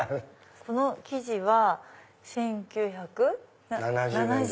この生地は１９００。